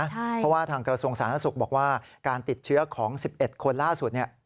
เพราะว่าทางกระทรวงศาลนักศึกษ์บอกว่าการติดเชื้อของ๑๑คนล่าสุดเนี่ย